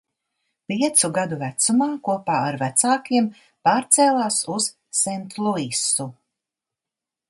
Piecu gadu vecumā kopā ar vecākiem pārcēlās uz Sentluisu.